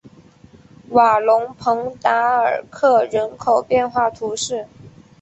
瓦龙蓬达尔克人口变化图示